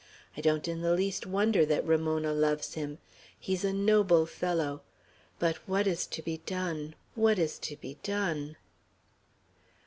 I don't in the least wonder that Ramona loves him. He's a noble fellow! But what is to be done! What is to be done!"